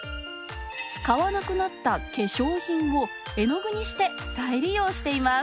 使わなくなった化粧品を絵の具にして再利用しています。